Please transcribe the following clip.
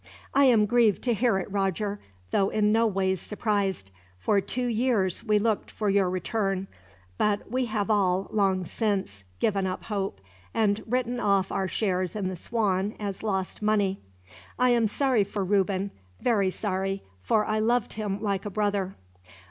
"I am grieved to hear it, Roger, though in no ways surprised. For two years we looked for your return; but we have all, long since, given up hope, and written off our shares in the Swan as lost money. I am sorry for Reuben, very sorry, for I loved him like a brother.